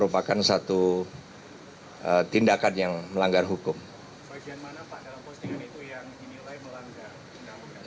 kepada bagian mana pak dalam postingan itu yang dinilai melanggar undang undang